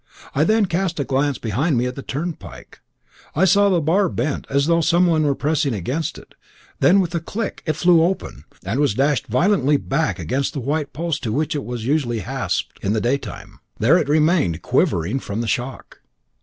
I then cast a glance behind me at the turnpike. I saw the bar bent, as though someone were pressing against it; then, with a click, it flew open, and was dashed violently back against the white post to which it was usually hasped in the day time. There it remained, quivering from the shock.